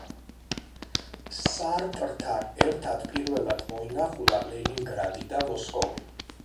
სარტრთან ერთად პირველად მოინახულა ლენინგრადი და მოსკოვი.